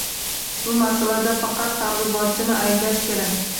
Bu masalada faqat targ‘ibotchini ayblash kerak.